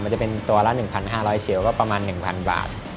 มันจะเป็นตัวละ๑๕๐๐เชียวก็ประมาณ๑๐๐บาท